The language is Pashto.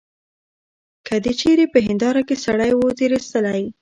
که دي چیري په هنیداره کي سړی وو تېرایستلی.